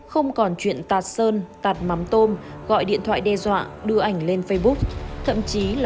không còn chuyện tạt sơn tạt mắm tôm gọi điện thoại đe dọa đưa ảnh lên facebook thậm chí là bắt cóc giết người nữa